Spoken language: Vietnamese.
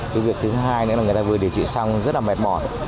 cái việc thứ hai nữa là người ta vừa điều trị xong rất là mệt mỏi